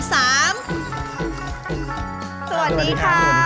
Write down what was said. สวัสดีค่ะ